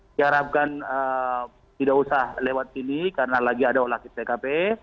diharapkan tidak usah lewat sini karena lagi ada olah kisah kp